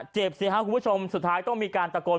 เจ็บเสียฮะคุณผู้ชมสุดท้ายต้องมีการตะกด